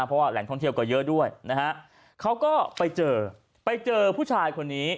เพราะว่าแหล่งท่องเที่ยวก็เยอะด้วยนะฮะเขาก็ไปเจอไปเจอผู้ชายคนนี้